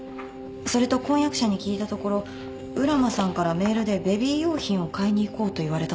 それと婚約者に聞いたところ浦真さんからメールで「ベビー用品を買いにいこう」と言われたそうです。